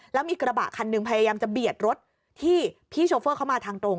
แล้วมีกระบะคันหนึ่งพยายามจะเบียดรถที่พี่โชเฟอร์เข้ามาทางตรง